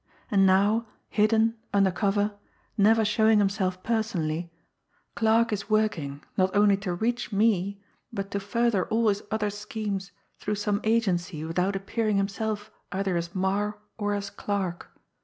And now, hidden, under cover, never showing himself personally, 'Clarke' is working, not only to reach me, but to further all his other schemes, through some agency without appearing himself either as Marre or as 'Clarke.'